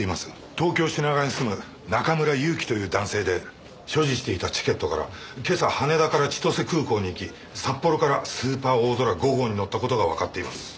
東京品川に住む中村祐樹という男性で所持していたチケットから今朝羽田から千歳空港に行き札幌からスーパーおおぞら５号に乗った事がわかっています。